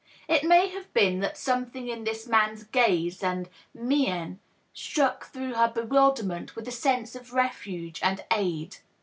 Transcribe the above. It may have been that something in this man's gaze and mien struck through her bewilderment with a sense of refuge and aid.